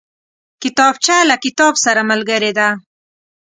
کتابچه له کتاب سره ملګرې ده